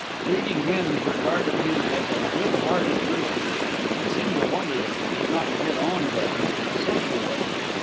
Leading hens regarded him as a good hearted rooster, and seemed to wonder that he did not get on better in a social way.